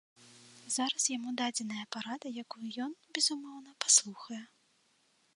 Зараз яму дадзеная парада, якую ён, безумоўна, паслухае.